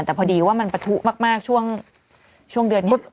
แต่พอดีว่ามันปะทุมากช่วงเดือนนี้